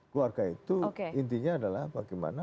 keluarga itu intinya adalah bagaimana